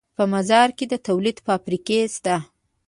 په مزار کې د تولید فابریکې شته